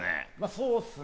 そうっすね。